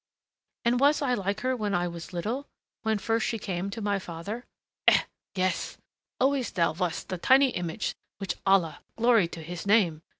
"And was I like her when I was little when first she came to my father?" "Eh yes. Always thou wast the tiny image which Allah Glory to his Name!